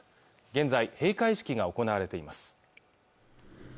現在閉会式が行われています